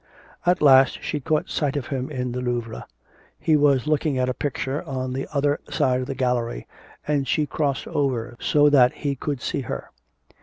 At last she caught sight of him in the Louvre. He was looking at a picture on the other side of the gallery, and she crossed over so that he should see her.